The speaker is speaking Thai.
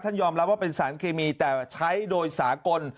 ยอมรับว่าเป็นสารเคมีแต่ใช้โดยสากล